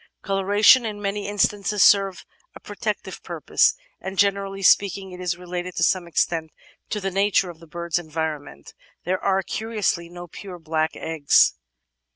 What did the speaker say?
Coloration in many instances serves a protective purpose, and, generally speaking, it is related to some extent to the nature of the bird's environment. There are, curiously, no pure black eggs.